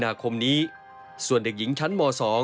โบนคำนี่ส่วนเด็กยิงชั้นม๒